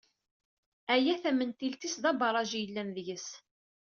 Aya, tamentilt-is d abaraj i yellan deg-s.